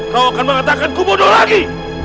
kau akan mengatakan ku bodoh lagi